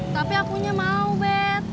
tapi akunya mau bet